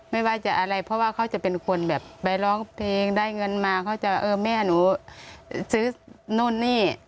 ไม่ว่าจะอะไรเพราะว่าเขาจะเป็นคนแบบไปร้องเพลงได้เงินมาเขาจะเออแม่หนูซื้อนู่นนี่